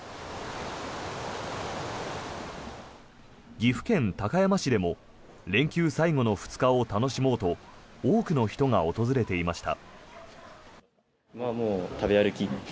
岐阜県高山市でも連休最後の２日を楽しもうと多くの人が訪れていました。